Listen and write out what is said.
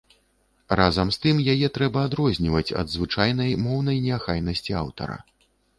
Разам з тым яе трэба адрозніваць ад звычайнай моўнай неахайнасці аўтара.